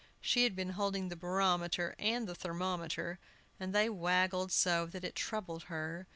She had been holding the barometer and the thermometer, and they waggled so that it troubled her.